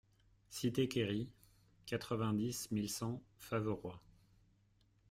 Cité Querry, quatre-vingt-dix mille cent Faverois